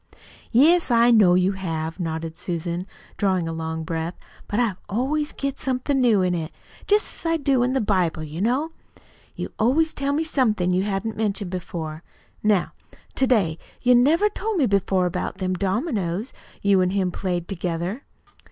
"Yes, I know you have," nodded Susan, drawing a long breath; "but I always get somethin' new in it, just as I do in the Bible, you know. You always tell me somethin' you hadn't mentioned before. Now, to day you never told me before about them dominoes you an' him played together."